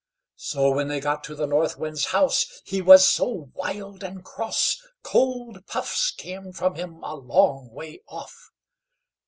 So when they got to the North Wind's house, he was so wild and cross, cold puffs came from him a long way off.